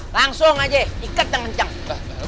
langsung aja ikat dengan jangkau